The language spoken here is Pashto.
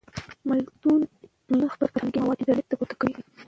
ملتونه خپل فرهنګي مواد انټرنټ ته پورته کوي.